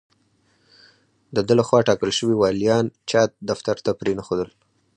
د ده له خوا ټاکل شوي والیان چا دفتر ته پرې نه ښودل.